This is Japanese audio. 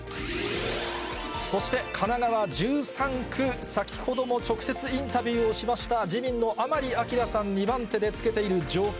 そして神奈川１３区、先ほども直接インタビューをしました、自民の甘利明さん、２番手でつけている状況